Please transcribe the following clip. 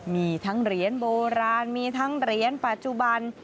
มีทั้งเหรียญโบราณมีทั้งเหรียญปัจจุบัน